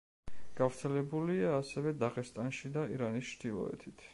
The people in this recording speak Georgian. გავრცელებულია ასევე დაღესტანში და ირანის ჩრდილოეთით.